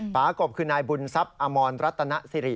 ปากบคือนายบุญทรัพย์อมรรัตนสิริ